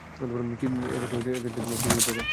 কী বোঝাতে চাচ্ছো?